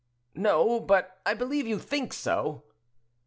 "No; but I believe you think so."